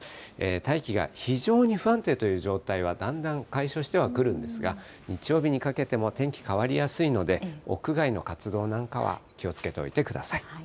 大気が非常に不安定という状態はだんだん解消してはくるんですが、日曜日にかけても天気、変わりやすいので、屋外の活動なんかは気をつけておいてください。